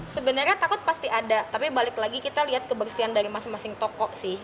sebenarnya takut pasti ada tapi balik lagi kita lihat kebersihan dari masing masing toko sih